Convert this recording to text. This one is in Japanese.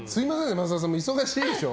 益田さんも忙しいでしょ。